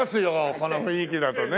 この雰囲気だとね。